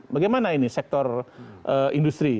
bagaimana ini sektor industri